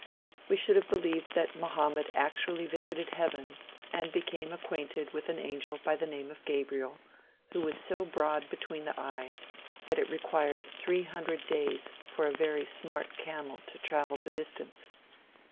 We should have believed that Mohammed actually visited Heaven and became acquainted with an angel by the name of Gabriel, who was so broad between the eyes that it required three hundred days for a very smart camel to travel the distance.